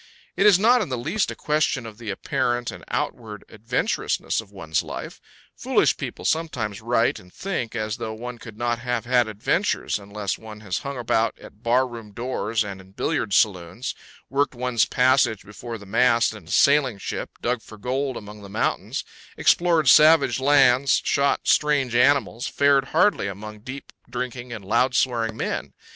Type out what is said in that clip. It is not in the least a question of the apparent and outward adventurousness of one's life. Foolish people sometimes write and think as though one could not have had adventures unless one has hung about at bar room doors and in billiard saloons, worked one's passage before the mast in a sailing ship, dug for gold among the mountains, explored savage lands, shot strange animals, fared hardly among deep drinking and loud swearing men.